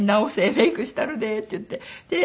メイクしたるで」って言って。